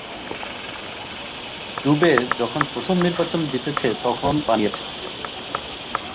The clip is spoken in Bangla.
ডুবে যখন প্রথম নির্বাচন জিতেছে তখন বানিয়েছে।